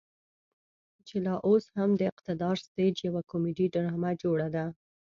چې لا اوس هم د اقتدار سټيج يوه کميډي ډرامه جوړه ده.